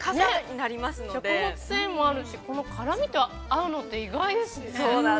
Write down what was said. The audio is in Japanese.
食物繊維もあるし、この辛みと合うのって、意外ですね。